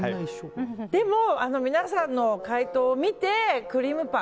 でも、皆さんの回答を見てクリームパン。